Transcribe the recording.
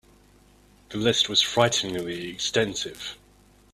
The list was frighteningly extensive.